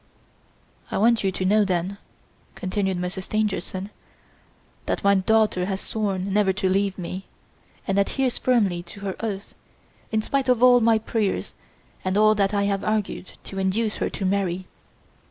"I want you to know then," continued Monsieur Stangerson, "that my daughter has sworn never to leave me, and adheres firmly to her oath, in spite of all my prayers and all that I have argued to induce her to marry.